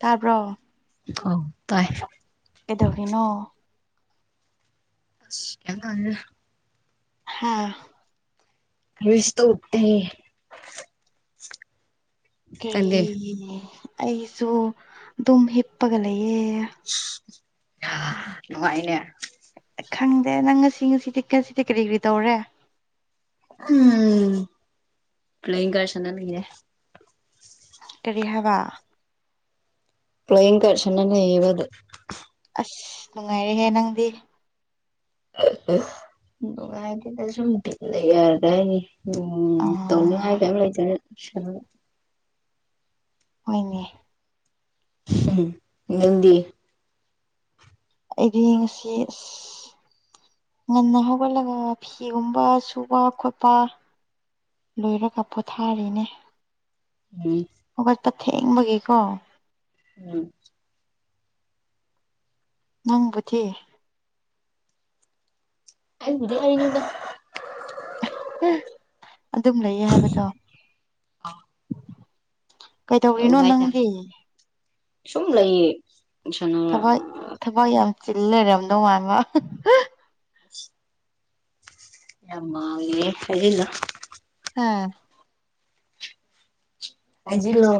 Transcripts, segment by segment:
ꯇꯄꯣ ꯍ ꯇꯥꯏ ꯑꯦꯗꯣꯕꯤꯅꯣ ꯑꯁ ꯍꯥꯥ ꯁꯇ ꯎꯇ ꯀꯔꯤ ꯑꯩꯁꯨ ꯑꯗꯨꯝ ꯍꯤꯞꯄꯒ ꯂꯩꯑ ꯑ ꯅꯨꯡꯉꯥꯏꯅꯦ ꯈꯪꯗꯦ ꯅꯪ ꯉꯁꯤ ꯉꯁꯤꯗꯤ ꯉꯁꯤꯗꯤ ꯀꯔꯤ ꯀꯔꯤ ꯇꯧꯔꯦ ꯎꯝ ꯄ꯭ꯂ ꯀꯥꯔꯁꯅ ꯂꯩꯦ ꯀꯔꯤ ꯍꯥꯏꯕ ꯄ꯭ꯂ ꯀꯁꯅꯅ ꯌꯕꯗ ꯑꯁ ꯅꯨꯡꯉꯥꯏꯔꯦꯍꯦ ꯅꯪꯗꯤ ꯅꯨꯡꯉꯗꯤ ꯁꯇ ꯂꯩ ꯌꯥꯔꯗꯅꯤ ꯎꯝ ꯑꯥ ꯇꯧꯂꯉ ꯀꯔ ꯍꯣꯏꯅꯦ ꯎꯝ ꯍꯗꯤ ꯑꯩꯗꯤ ꯉꯁꯤ ꯑꯁ ꯉꯟꯅ ꯍꯧꯒꯠꯂꯒ ꯐꯤꯒꯨꯝꯕ ꯁꯨꯕ ꯈꯣꯠꯄ ꯂꯣꯏꯔꯒ ꯄꯣꯊꯥꯔꯤꯅꯦ ꯎꯝ ꯄ ꯊꯦꯡꯕꯒꯦꯀꯣ ꯎꯝ ꯅꯪꯕꯨꯗꯤꯦ ꯑꯕꯨꯗꯤ ꯀꯗ ꯑꯗꯨꯝ ꯂꯩꯌꯦ ꯍꯥꯏꯕꯗꯣ ꯀꯩꯗꯧꯔꯤꯅꯣ ꯑꯣꯍꯥꯏꯇꯥꯔꯦ ꯅꯪꯗꯤ ꯁꯨꯝ ꯂꯩ ꯊꯕꯛ ꯊꯕꯛ ꯌꯥꯝ ꯆꯤꯜ ꯂꯩꯔꯝꯗꯧ ꯃꯥꯃ ꯑꯃꯦ ꯍꯥꯏꯂ ꯑꯥ ꯍꯥꯏꯖꯤꯂꯣ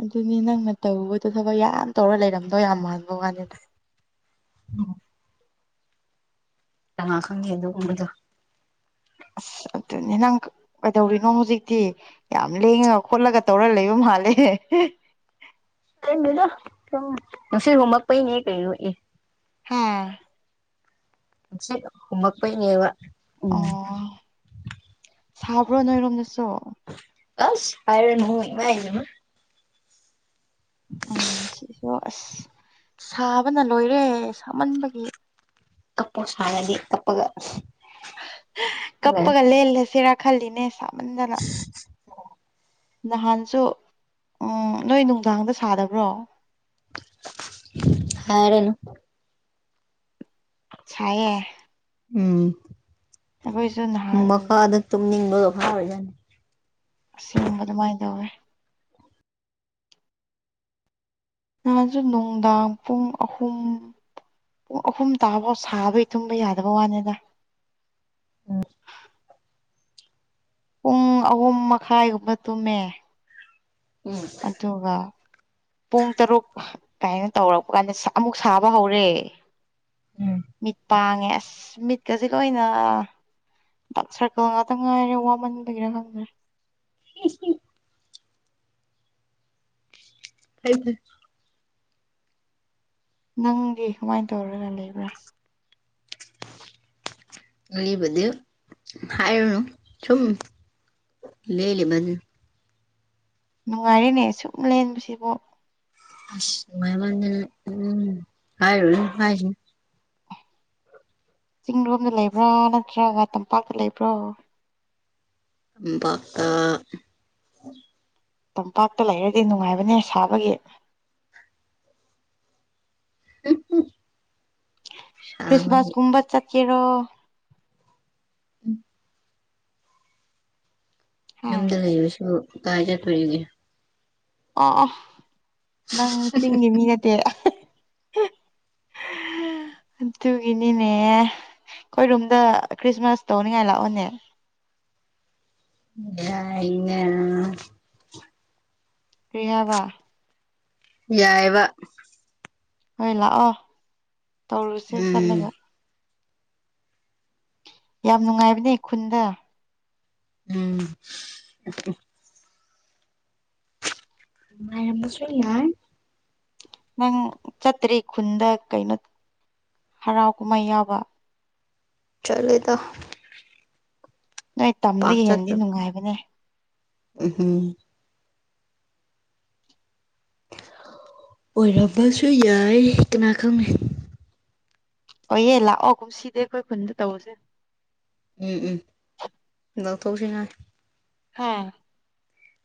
ꯑꯗꯨꯅꯤ ꯅꯪꯅ ꯇꯧꯕꯗꯣ ꯊꯕꯛ ꯌꯥꯝ ꯇꯧꯔ ꯂꯩꯔꯝꯗꯣ ꯌꯥꯝ ꯃꯥꯟꯕ ꯋꯥꯅꯦꯗ ꯑ ꯇ ꯈꯪꯉꯦ ꯑꯗꯨꯒꯨꯝꯕꯗꯣ ꯑꯁ ꯑꯗꯨꯅꯤ ꯅꯪ ꯀꯩꯗꯧꯔꯤꯅꯣ ꯍꯧꯖꯤꯛꯇꯤ ꯌꯥꯝ ꯂꯦꯡꯉꯒ ꯈꯣꯠꯂꯒ ꯇꯧꯔ ꯂꯩꯕ ꯃꯥꯂꯦ ꯗꯥ ꯉꯁꯤ ꯍꯃꯛ ꯄꯅꯦ ꯀ ꯍꯥꯥ ꯍꯨꯃꯛꯄꯅꯦꯕ ꯑꯣ ꯁꯕ꯭ꯔꯣ ꯅꯣꯏꯔꯣꯝ ꯅꯁꯨ ꯑꯁ ꯍꯥꯏꯥꯏꯔ ꯍꯅ ꯎꯝꯁ ꯁꯥꯕꯅ ꯂꯣꯏꯔꯦ ꯁꯥꯃꯟꯕꯒꯤ ꯀꯄ ꯁꯉꯗꯤꯦ ꯀꯄꯒ ꯀꯄꯒ ꯂꯩꯦꯂꯦ ꯁꯤꯔ ꯈꯜꯂꯤꯅꯦ ꯁꯥ ꯏꯟꯗꯅ ꯅꯍꯥꯟꯁꯨ ꯎꯝ ꯅꯣꯏ ꯅꯨꯡꯗꯥꯡꯗ ꯁꯥꯗꯕ꯭ꯔꯣ ꯍꯔꯅ ꯁꯌꯦ ꯎꯝ ꯑꯩꯈꯣꯏꯁꯨ ꯅꯍꯜ ꯅꯤꯡꯕꯗꯣ ꯐꯥꯔꯣꯏꯖꯅꯤ ꯑꯁꯦꯡꯕ ꯑꯗꯨꯃꯥꯏꯅ ꯇꯧꯋꯦ ꯅꯍꯥꯟꯁꯨ ꯅꯨꯡꯗꯥꯡ ꯄꯨꯡ ꯑꯍꯨꯝ ꯄꯨꯡ ꯑꯍꯨꯝ ꯇꯥꯐꯥꯎ ꯁꯥꯕꯩ ꯇꯨꯝꯕ ꯌꯥꯗꯕ ꯋꯥꯅꯤꯗ ꯎ ꯄꯨꯡ ꯑꯍꯨꯝ ꯃꯈꯥꯏꯒꯨꯝꯕ ꯇꯨꯝꯃꯦ ꯎꯝ ꯑꯗꯨꯒ ꯄꯨꯡ ꯇꯔꯨꯛ ꯀꯃꯥꯏꯅ ꯇꯧꯔꯛꯄ ꯀꯥꯟꯗ ꯑꯃꯨꯛ ꯁꯥꯕ ꯍꯧꯔꯦ ꯎꯝ ꯃꯤꯠꯄꯥꯡ ꯁ ꯃꯤꯠꯀꯁꯤꯦ ꯀ ꯑꯣꯏꯅ ꯗꯥꯛ ꯁꯔꯀꯜ ꯉꯥꯛꯇ ꯉꯥꯏꯔꯦ ꯋꯥꯃꯟꯕꯒꯤꯔ ꯈꯪꯗ꯭ꯔꯦ ꯑꯦꯁ ꯍꯥꯏ ꯐ ꯅꯪꯗꯤ ꯀꯃꯥꯏꯅ ꯇꯧꯔꯒ ꯂꯩꯕ꯭ꯔꯥ ꯑꯕꯗꯨꯦ ꯍꯥꯏꯔꯅ ꯁꯨꯝ ꯂꯩ ꯂꯩ ꯃꯅꯤ ꯅꯨꯡꯉꯥꯏꯔꯤꯅꯦ ꯁꯨꯝ ꯂꯦꯟꯕꯁꯤꯕꯨ ꯃꯥꯏ ꯎꯝ ꯍꯥꯏ ꯍꯥꯏ ꯆꯤꯡꯡꯂꯣꯝꯗ ꯂꯩꯕ꯭ꯔꯥ ꯅꯠꯇ꯭ꯔꯒ ꯇꯝꯄꯥꯛꯇ ꯂꯩꯕ꯭ꯔꯣ ꯄꯥꯇ ꯇꯝꯄꯥꯛꯇ ꯂꯩꯔꯗꯤ ꯅꯨꯡꯉꯥꯏꯕꯅꯦ ꯁꯥꯕꯒꯤ [unintelligible] ꯁꯥꯕꯒꯤ ꯈ꯭ꯔꯤꯁꯃꯥꯁꯒꯨꯝꯕ ꯆꯠꯀꯦꯔꯣ [unintelligible] ꯍꯥ ꯌꯨꯝꯗ ꯂꯩꯕꯁꯨ ꯀꯥꯏ ꯆꯠꯇꯣꯔꯤꯒꯦ ꯑ ꯅꯪ ꯆꯤꯡꯒꯤ ꯃꯤ ꯅꯠꯇꯦ ꯑꯗꯨꯒꯤꯅꯤꯅꯦ ꯑꯩꯈꯣꯏꯔꯣꯝꯗ ꯈ꯭ꯔꯤꯁꯃꯥꯁ ꯇꯧꯅꯤꯡꯉꯥꯏ ꯂꯥꯛꯑꯣꯅꯦ ꯌꯥꯏꯅꯦ ꯀ꯭ꯔꯤ ꯍꯥꯏꯕ ꯌꯥꯏꯕ ꯍꯣꯏ ꯂꯥꯛꯑꯣ ꯇꯧꯔꯨꯁꯦ ꯎꯝ ꯆꯠꯂꯒ ꯌꯥꯝ ꯅꯨꯡꯉꯥꯏꯕꯅꯦ ꯈꯨꯟꯗ ꯎꯝ ꯅꯨꯡꯉꯥꯏꯔꯝꯕꯁꯨ ꯌꯥꯏ ꯅꯪ ꯆꯠꯇ꯭ꯔꯤ ꯈꯨꯟꯗ ꯀꯩꯅꯣ ꯍꯔꯥꯎ ꯀꯨꯝꯍꯩ ꯌꯥꯎꯕ ꯆꯠꯂꯤꯗ ꯅꯣꯏ ꯇꯝꯗꯒꯤ ꯍꯦꯟꯗꯤ ꯅꯨꯡꯉꯥꯏꯕꯅꯦ ꯎꯍꯝ ꯑꯣꯏꯔꯝꯕꯁꯨ ꯌꯥꯏ ꯀꯅꯥ ꯈꯪꯅꯤ ꯍꯣꯢꯌꯦ ꯂꯥꯛꯑꯣ ꯀꯨꯝ ꯁꯤꯗꯦ ꯑꯩꯈꯣꯏ ꯈꯨꯟꯗ ꯇꯧꯁꯦ ꯎꯝ ꯂꯥꯛꯊꯣꯛꯁꯤꯉꯥꯏ ꯍꯥꯥ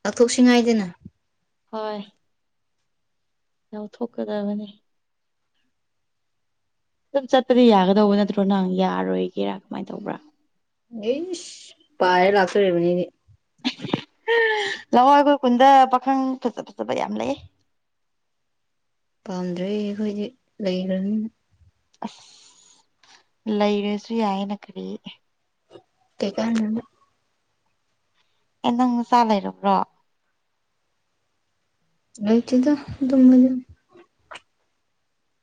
ꯂꯧꯊꯣꯛꯁꯤꯡꯉꯥꯏꯗꯅ ꯍꯣꯏ ꯌꯥꯎꯊꯣꯛꯀꯗꯕꯅꯤ ꯑꯗꯨꯝ ꯆꯠꯄꯗꯤ ꯌꯥꯒꯗꯧꯕ ꯅꯠꯇ꯭ꯔꯣ ꯅꯪ ꯌꯥꯔꯣꯏꯒꯦꯔꯥ ꯀꯃꯥꯏꯅ ꯇꯧꯕ꯭ꯔꯥ ꯑꯩꯁ ꯄꯥꯏꯔ ꯂꯥꯛꯇꯣꯔꯤꯕꯅꯦ ꯂꯥꯛꯑꯣ ꯑꯩꯈꯣꯏ ꯀꯨꯟꯗ ꯄꯥꯈꯪ ꯐꯖ ꯐꯖꯕ ꯌꯥꯝ ꯂꯩꯌꯦ ꯄꯥꯝꯗ꯭ꯔꯦ ꯑꯩꯈꯣꯏꯗꯤ ꯂꯩꯈ꯭ꯔꯅꯤꯅ ꯑꯁ ꯂꯩꯔꯁꯨ ꯌꯥꯏꯌꯦꯅ ꯀꯔꯤ ꯀꯩ ꯀꯥꯟꯅꯕ ꯑꯦ ꯅꯪ ꯅꯆꯥ ꯂꯩꯔꯝꯕ꯭ꯔꯣ ꯂꯩꯇꯦꯗ ꯑꯗꯨꯝꯕꯗꯤ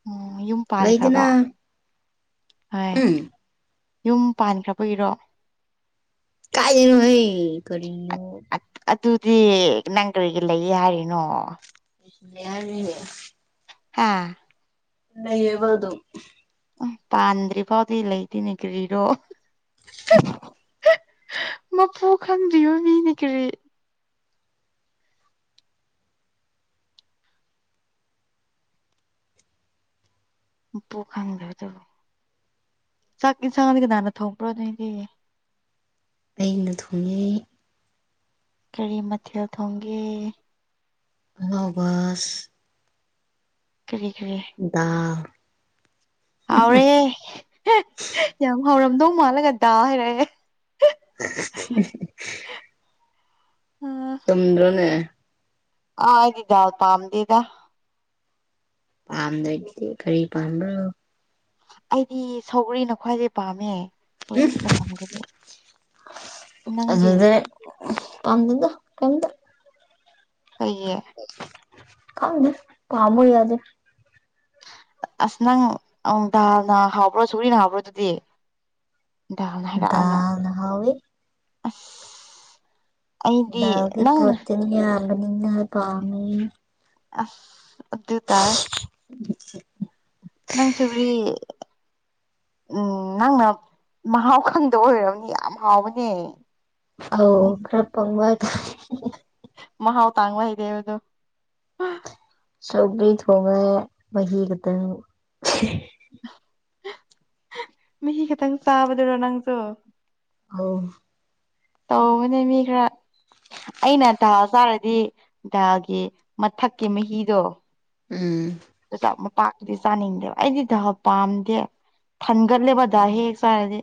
ꯎꯝ ꯌꯨꯝ ꯂꯩꯗꯅ ꯄꯥꯟꯈ꯭ꯔꯕ ꯍꯣꯏ ꯎꯝ ꯌꯨꯝ ꯄꯥꯟꯈ꯭ꯔꯕꯒꯤꯔꯣ ꯀꯥꯏꯗꯩꯅꯣꯍꯦ ꯀꯔꯤꯅꯣ ꯑꯗꯨꯗꯤ ꯅꯪꯀ꯭ꯔꯤꯒꯤ ꯂꯩꯌꯦ ꯍꯥꯏꯔꯤꯅꯣ ꯌꯥꯔꯦ ꯍꯥꯥ ꯂꯩꯌꯦꯕ ꯑꯗꯨꯝ ꯄꯥꯟꯗ꯭ꯔꯤ ꯐꯥꯎꯗꯤ ꯂꯩꯗꯦꯅꯦ ꯀ꯭ꯔꯤꯔꯣ [unintelligible] ꯃꯄꯨ ꯈꯪꯗꯔꯤꯕꯅꯤ ꯀꯔꯤ ꯃꯄꯨ ꯈꯪꯗꯕꯗꯨ ꯆꯥꯛ ꯌꯦꯟꯁꯥꯡꯗꯤ ꯀꯅꯥꯅ ꯊꯣꯡꯕ꯭ꯔꯣ ꯅꯣꯏꯒꯤ ꯑꯩꯅ ꯊꯣꯡꯉꯤ ꯀꯔꯤ ꯃꯊꯦꯜ ꯊꯣꯡꯒꯦ ꯑꯍꯥꯎꯕꯁ ꯀꯔꯤ ꯗꯥꯜ ꯍꯥꯎꯔꯦ ꯌꯥꯝ ꯍꯥꯎꯔꯝꯗꯧ ꯃꯥꯜꯂꯒ ꯗꯥꯜ ꯍꯥꯏꯔꯛꯑꯦ [unintelligible] [inaudible] ꯆꯨꯝꯗ꯭ꯔꯅꯦ ꯑ ꯍꯥꯏꯗꯗꯎ ꯄꯝꯗꯗ ꯄꯥꯝꯗꯣꯏꯗꯤ ꯀꯔꯤ ꯄꯥꯝꯕ꯭ꯔꯣ ꯑꯩꯗꯤ ꯁꯧꯒ꯭ꯔꯤꯅ ꯈ꯭ꯋꯥꯏꯗꯒꯤꯩ ꯄꯥꯝꯃꯦ ꯍꯧꯖꯤꯛ ꯃꯇꯝꯒꯤꯗꯤ ꯑꯗꯨ ꯅꯪꯗꯤ ꯑꯗꯨꯦ ꯄꯝꯗꯗ ꯀꯝꯗ ꯀꯩꯦ ꯀꯝꯅꯦ ꯄꯃꯣꯏ ꯌꯥꯗꯦ ꯑꯁ ꯅꯪ ꯗꯥꯜꯅ ꯍꯥꯎꯕ꯭ꯔꯣ ꯁꯨꯔꯤꯅ ꯍꯕ꯭ꯔꯣ ꯑꯗꯨꯗꯤ ꯜ ꯍꯔꯛꯅ ꯗꯥꯜꯅ ꯍꯥꯎꯋꯤ ꯑꯩꯗꯤ ꯅꯪꯅ ꯅꯤ ꯉ ꯄꯥꯝꯃꯤ ꯑꯁ ꯑꯗꯨ ꯇꯥꯏ [unintelligible] [inaudible] ꯅꯪ ꯁꯧꯒ꯭ꯔꯤ ꯎꯝ ꯅꯪꯅ ꯃꯍꯥꯎ ꯈꯪꯗ ꯑꯣꯏꯔꯕꯅꯤ ꯌꯥꯝ ꯍꯥꯎꯕꯅꯦ ꯑ ꯑꯩꯒꯤꯗꯤ ꯀꯔꯄꯕꯗ ꯍꯥꯎ ꯇꯥꯥꯡꯋꯥ ꯏꯗꯦ ꯌꯥꯣ ꯁꯧꯒꯔꯤ ꯊꯒꯍꯤꯒꯗ ꯃꯍꯤ ꯈꯤꯇꯪ ꯆꯥꯕꯗꯨꯔꯣ ꯅꯪꯁꯨ ꯑꯥꯎ ꯇꯧꯕꯅꯦ ꯃꯤ ꯈꯔ ꯑꯩꯅ ꯗꯥ ꯆꯥꯔꯗꯤ ꯗꯥꯒꯤ ꯃꯊꯛꯀꯤ ꯃꯍꯤꯗꯣ ꯎꯝ ꯃꯄꯥꯛꯇꯨꯗꯤ ꯆꯥꯅꯤꯡꯗꯦꯕ ꯑꯩꯗꯤ ꯊ ꯄꯥꯝꯗꯦ ꯊꯟꯒꯠꯂꯦꯕꯗꯥ ꯍꯦꯛ ꯆꯔꯗꯤ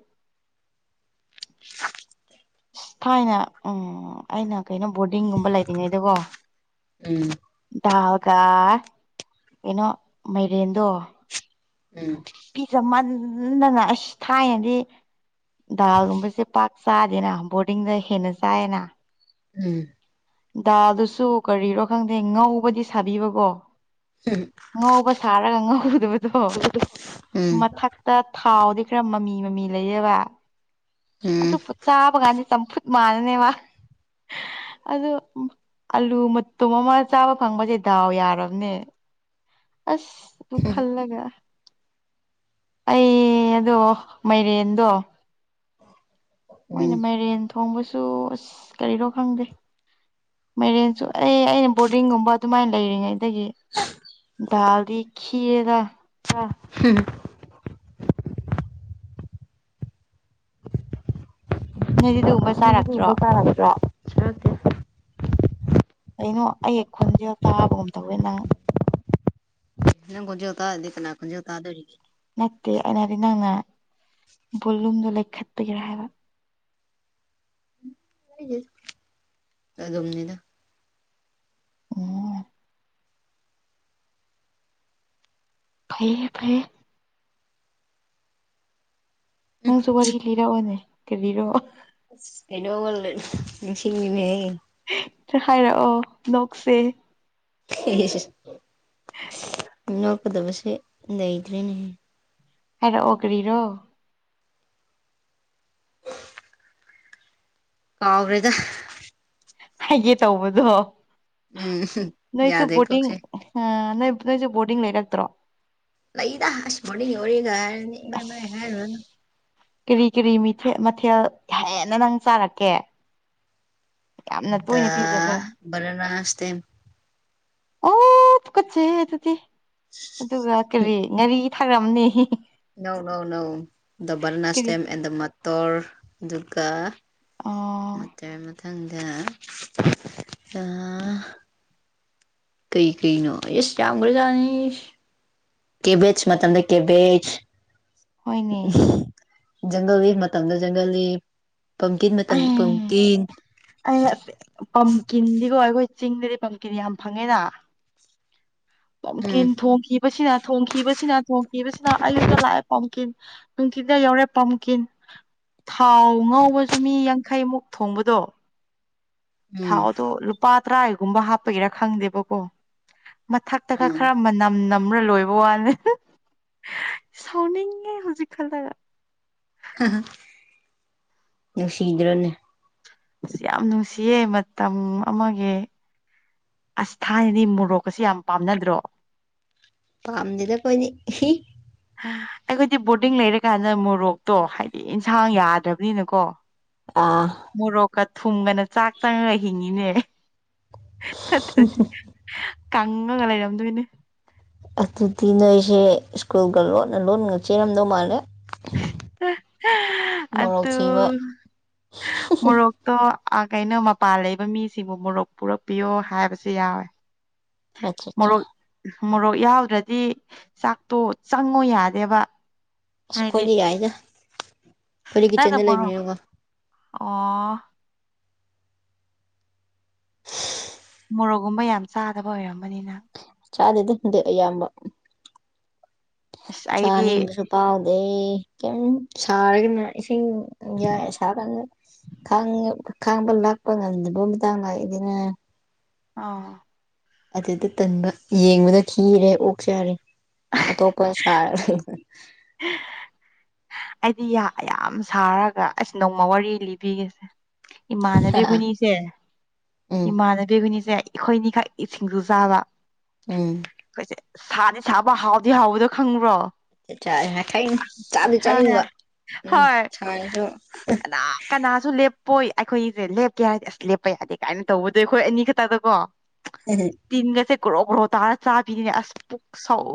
ꯊꯥꯏꯅ ꯎꯝ ꯑꯩꯅ ꯀꯩꯅꯣ ꯕꯣꯔꯗꯤꯡꯒꯨꯝꯕ ꯂꯩꯔꯤꯉꯩꯗꯀꯣ ꯎꯝ ꯀ ꯌꯦꯩꯅꯣ ꯃꯩꯔꯦꯟꯗꯣ ꯎꯝ ꯄꯤꯖꯃꯟꯅꯅ ꯑꯁ ꯊꯥꯏꯅꯗꯤ ꯗꯥꯜꯒꯨꯝꯕꯁꯦ ꯄꯥꯛ ꯆꯥꯗꯦꯅ ꯕꯣꯔꯗꯤꯡꯗ ꯍꯦꯟꯅ ꯆꯥꯏꯌꯦꯅ ꯎꯝ ꯗꯥꯗꯨꯁꯨ ꯀꯔꯤꯔꯣ ꯈꯪꯗꯦ ꯉꯧꯕꯗꯤ ꯁꯥꯕꯤꯕꯀꯣ ꯉꯧꯕ ꯁꯥꯔꯒ ꯉꯧꯗꯕꯗꯣ ꯃꯊꯛꯛꯇ ꯊꯥꯎꯗꯤ ꯈꯔ ꯃꯃꯤ ꯃꯃꯤ ꯂꯩꯔꯦꯕ ꯎꯝ ꯑꯗꯨꯣꯠ ꯎꯝ ꯆꯥꯕ ꯀꯥꯟꯗ ꯆꯝꯐꯨꯠ ꯃꯥꯅꯅꯦꯕ ꯑꯗꯨ ꯑꯂꯨ ꯃꯇꯨꯝ ꯑꯃ ꯆꯥꯕ ꯐꯪꯕꯁꯦ ꯗꯥꯎ ꯌꯥꯔꯕꯅꯦ ꯑꯁ ꯇꯨꯡ ꯈꯜꯂꯒꯦ ꯑꯩ ꯑꯗꯣ ꯃꯥꯏꯔꯦꯟꯗꯣ ꯎꯝ ꯃꯣꯏꯅ ꯃꯥꯏꯔꯦꯟ ꯊꯣꯡꯕꯁꯨ ꯑꯁ ꯀꯔꯤꯔꯣ ꯈꯪꯗꯦ ꯃꯦꯔꯦꯟꯁꯨ ꯑꯦ ꯑꯩꯅ ꯕꯣꯔꯗꯤꯡꯒꯨꯝꯕ ꯑꯗꯨꯃꯥꯏꯅ ꯂꯩꯔꯤꯉꯩꯗꯒꯤ ꯗꯜꯗꯤ ꯈꯤꯔꯗ ꯑꯝ ꯅꯗꯤꯗꯤ ꯎꯕꯁ ꯕ ꯇꯔ꯭ꯔꯣ [unintelligible] [inaudible] ꯀꯩꯅꯣ ꯑꯩ ꯈꯨꯟꯁꯦ ꯆꯥꯕꯒꯨꯝ ꯇꯧꯋꯦ ꯅꯪ ꯅꯪꯒꯖꯣ ꯇꯗꯤ ꯀꯅꯥ ꯈꯨꯣ ꯇꯗ ꯅꯠꯇꯦ ꯑꯩꯅꯗꯤ ꯅꯪꯅ ꯕꯣꯂꯨꯝꯗꯣ ꯂꯩꯈꯠꯄꯤꯒꯤꯦꯔꯥ ꯍꯥꯏꯕ ꯑ ꯑꯗꯨꯝꯅꯤꯗ ꯎꯝ ꯐꯩꯌꯦꯦ ꯐꯩꯌꯦꯦ ꯎꯝ ꯅꯪꯁꯨ ꯋꯥꯔꯤ ꯂꯤꯔꯛꯑꯣꯅꯦ ꯀ ꯂꯤꯔꯣꯑꯣ ꯑꯩꯅ ꯁꯤꯤꯡꯃꯤꯅꯦ ꯍꯥꯏꯔꯛꯑꯣ ꯅꯣꯛꯁꯦ [unintelligible] [unintelligible] ꯣꯀꯗ ꯄꯁꯦ ꯏꯗ꯭ꯔꯅꯦ ꯍꯦꯔ ꯑꯣ ꯀꯔꯤꯔꯣ ꯀꯥꯎ꯭ꯔꯦꯗ ꯍꯥꯏꯒꯦ ꯇꯧꯕꯗꯣ ꯎꯝ ꯅꯣꯏꯁꯨ ꯌꯥꯗꯦ ꯕꯣꯇꯤꯡ ꯀꯣꯛꯁꯦ ꯏꯅꯁꯨ ꯣꯔꯇꯤꯡ ꯂꯩ ꯀꯛꯇ꯭ꯔꯣ ꯂꯩꯗ ꯍꯥꯁ ꯃꯅꯤ ꯑꯣꯏꯔꯤꯒ ꯑꯁ ꯍꯥꯏꯔꯅꯤ ꯍꯥꯏꯔꯅ ꯀꯔꯤ ꯀꯔꯤ ꯃꯊꯦꯜ ꯍꯦꯟꯅ ꯅꯪ ꯆꯥꯔꯛꯀꯦ ꯌꯥꯝꯅ ꯇꯣꯏꯅ ꯄꯤꯖꯒꯦ ꯔꯦ ꯔꯅꯥꯥꯁ ꯇ ꯑꯣꯀꯠꯁꯦ ꯑꯗꯨꯗꯤ ꯑꯗꯨꯒ ꯀꯔꯤ ꯉꯥꯔꯤ ꯊꯥꯔꯝꯅꯤ ꯏꯧꯅꯧ ꯅꯧ ꯗꯕꯜ ꯀꯔꯤ ꯅꯥꯁꯇꯦꯝ ꯑꯦꯟ ꯗ ꯃꯇꯣꯔ ꯑꯗꯨꯒ ꯑ ꯑꯪꯗ ꯀꯩ ꯀꯩꯅꯣ ꯑꯦꯁ ꯌꯥꯝ꯭ꯔꯖꯥꯅꯤꯁ ꯀꯦꯕꯦꯖ ꯃꯟ꯭ꯔꯦ ꯀꯦꯕꯦꯖ ꯍꯅꯦ ꯪꯒꯜꯒꯤ ꯃꯇꯝꯗ ꯪꯒꯜꯒꯤ ꯑ ꯑ ꯄꯝꯀꯤꯟꯗꯤ ꯀꯈ ꯆꯤꯡꯗꯗꯤ ꯄꯝ ꯌꯥꯝ ꯐꯪꯉꯦꯗ ꯄꯝ ꯊ ꯎꯝ ꯅ ꯊꯣꯡꯈꯤꯕꯁꯤꯅ ꯊꯣꯡꯈꯤꯕꯁꯤꯅ ꯑꯌꯨꯛꯇ ꯂꯥꯛꯑꯦ ꯄꯥꯝꯈꯤ ꯅꯨꯡꯇꯤꯗ ꯌꯥꯎꯔꯦ ꯄꯝꯀꯤꯟ ꯊꯥꯎ ꯉꯥꯎꯕꯁꯨ ꯆꯃꯤ ꯌꯥꯡꯈꯩꯃꯨꯛ ꯊꯣꯡꯕꯗꯣ ꯎꯝ ꯊꯥꯎꯗꯣ ꯂꯨꯄꯥ ꯇꯔꯥ ꯍꯒꯨꯝꯕ ꯍꯥꯞꯄꯒꯤꯦꯔ ꯈꯪꯗꯦꯕꯀꯣ ꯃꯊꯛꯇꯒ ꯎꯝ ꯈꯔ ꯃꯅꯝꯅ ꯂꯣꯏꯕ ꯋꯥꯂ ꯁꯥꯎꯅꯤꯡꯉꯦ ꯍꯧꯖꯤꯛ ꯈꯜꯂꯒ ꯅꯁꯤꯍꯤꯗꯔꯣꯅꯦ ꯑꯁ ꯌꯥꯝ ꯅꯨꯡꯁꯤꯌꯦ ꯃꯇꯝ ꯑꯃꯒꯤ ꯑꯁ ꯊꯥꯏꯅꯅꯤ ꯃꯣꯔꯣꯛꯀꯁꯤ ꯌꯥꯝ ꯄꯥꯝꯅꯗ꯭ꯔꯣ ꯄꯥꯝꯗꯗ ꯄꯅꯤ ꯑꯩꯈꯣꯏꯗꯤ ꯕꯣꯔꯗꯤꯡ ꯂꯩꯔꯀꯥꯟꯗ ꯃꯣꯔꯣꯛꯇꯣ ꯍꯥꯏꯗꯤ ꯏꯟꯁꯥꯡ ꯌꯥꯗ꯭ꯔꯕꯅꯤꯅꯀꯣ ꯑꯥ ꯀ ꯊꯨꯝꯒꯅ ꯆꯥꯛ ꯆꯪꯉꯒ ꯍꯤꯡꯉꯤꯅꯦ ꯀꯪꯉꯒ ꯂꯩꯔꯝꯗꯣꯏꯅꯦ ꯑꯗꯨꯗꯤ ꯅꯣꯏ ꯑꯩꯁꯦ ꯁ꯭ꯀꯨꯜꯒ ꯂꯣꯟꯅ ꯂꯣꯟꯅꯒ ꯆꯦꯜꯔꯝꯗꯧ ꯃꯥꯜꯂꯦ ꯃꯣꯔꯣꯛ ꯑꯗꯨ ꯊꯤꯕ ꯃꯣꯔꯣꯛꯇꯣ ꯀꯩꯅꯣ ꯃꯄꯥꯟ ꯂꯩꯕ ꯃꯤꯁꯤꯡꯕꯨ ꯃꯣꯔꯣꯛ ꯄꯨꯔꯛꯄꯤꯌꯣ ꯍꯥꯏꯕꯁꯨ ꯌꯥꯎꯋꯦ ꯑꯆꯥ ꯑꯆꯥ ꯃꯣꯔꯣꯛ ꯃꯣꯔꯣꯛ ꯌꯥꯎꯗ꯭ꯔꯗꯤ ꯆꯥꯛꯇꯣ ꯆꯪꯉꯨ ꯌꯥꯗꯦꯕ ꯑꯁ ꯍꯥꯏꯗꯤ ꯑꯩꯈꯣꯏꯅ ꯌꯥꯏꯅꯦ ꯑꯩꯈꯣꯏꯅ ꯅꯪꯅ ꯀꯤꯠꯆꯟꯗ ꯃꯣꯔꯣꯛ ꯂꯩꯃꯤꯅꯤꯔꯒ ꯑꯣ ꯃꯣꯔꯣꯛꯒꯨꯝꯕ ꯌꯥꯝ ꯆꯥꯗꯕ ꯑꯣꯏꯔꯝꯕꯅꯤꯅ ꯆꯥꯗꯦꯗꯪꯗꯤ ꯑꯌꯥꯝꯕ ꯑꯁ ꯑꯩꯗꯤ ꯆꯥꯅꯤꯡꯕꯁꯨ ꯄꯥꯎꯗꯦ ꯀꯩ ꯁꯥꯔꯒ ꯁꯕ ꯀꯉ ꯈꯥꯡꯝꯕꯜ ꯂꯥꯛꯄꯉ ꯣꯝꯃꯤ ꯇꯥꯡꯉ ꯏꯅ ꯑꯥ ꯑꯗꯨꯗ ꯇꯟꯕ ꯌꯦꯡꯕꯗ ꯈꯤꯔꯦ ꯑꯣꯛ ꯆꯔꯦ ꯑ ꯇꯣ ꯀꯣꯏ ꯁꯔ [inaudible] ꯑꯩꯗꯤ ꯌꯥꯝ ꯁꯥꯔꯒ ꯑꯁ ꯅꯣꯡꯃ ꯋꯥꯔꯤ ꯂꯤꯕꯤꯒꯦꯁꯦ ꯏꯃꯥꯟꯅꯕꯤꯈꯣꯏꯅꯤꯁꯦ ꯎꯝ ꯏꯃꯥꯟꯅꯕꯤ ꯑꯩꯈꯣꯏꯅꯤꯁꯦ ꯑꯩꯈꯣꯏꯅꯤꯈꯛ ꯏꯁꯤꯡꯁꯨ ꯆꯥꯕ ꯎꯝ ꯁꯥꯗꯤꯦ ꯁꯥꯕ ꯍꯥꯎꯗꯤ ꯍꯥꯎꯕꯗꯣ ꯈꯪꯕ꯭ꯔꯣ ꯑ ꯆ ꯃ ꯈꯥꯏ ꯆꯥꯗꯤ ꯆꯥꯅꯤꯡꯕ ꯍꯣꯏ ꯎꯝ ꯍꯣꯏ ꯁꯅꯁꯨ ꯄꯣꯏ ꯑꯩꯈꯣꯏꯁꯦ ꯂꯦꯞꯀꯦ ꯍꯥꯏꯔꯗꯤ ꯑꯁ ꯂꯦꯞꯄ ꯌꯥꯗꯦ ꯀꯥꯏꯅ ꯇꯧꯕꯗꯣ ꯑꯩꯈꯣꯏ ꯑꯅꯤ ꯈꯛꯇꯗ ꯀꯣ ꯇꯤꯟꯒꯁꯦ ꯒ꯭ꯔꯣ ꯒ꯭ꯔꯣ ꯇꯥꯔ ꯆꯥꯕꯤꯅꯤꯅꯦ ꯑꯁ ꯄꯨꯛ ꯁꯧ